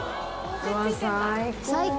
最高！